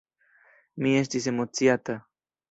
Mi estis emociata.